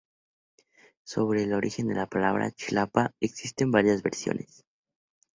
Sobre el origen de la palabra Chilapa existen varias versiones.